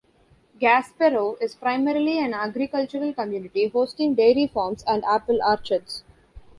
Gaspereau is primarily an agricultural community, hosting dairy farms and apple orchards.